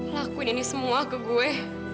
lakuin ini semua ke gue